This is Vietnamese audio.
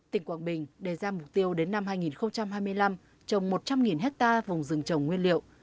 tỉnh quảng bình đề ra mục tiêu đến năm hai nghìn hai mươi năm trồng một trăm linh hectare vùng rừng trồng nguyên liệu